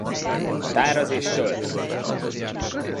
Táraz és tölt!